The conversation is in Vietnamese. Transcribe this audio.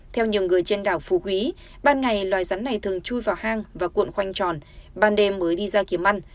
theo nhiều người trên đảo phú quý ban ngày loài rắn này thường chui vào hang và cuộn khoanh tròn ban đêm mới đi ra kiếm ăn